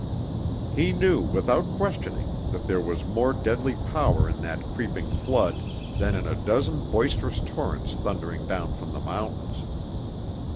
He knew, without questioning, that there was more deadly power in that creeping flood than in a dozen boisterous torrents thundering down from the mountains.